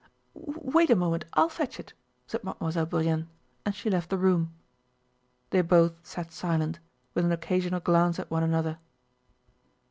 "Wait a moment, I'll fetch it," said Mademoiselle Bourienne, and she left the room. They both sat silent, with an occasional glance at one another.